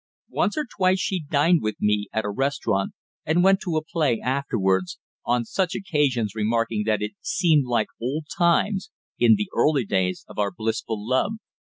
Once or twice she dined with me at a restaurant, and went to a play afterwards, on such occasions remarking that it seemed like "old times," in the early days of our blissful love.